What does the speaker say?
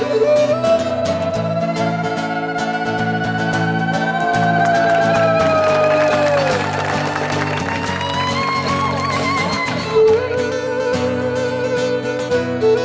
ปริศนาหมายเลข๓ของเราครับ